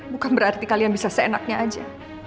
bukan berarti kalian bisa seenaknya aja